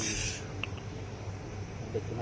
ติดลูกคลุม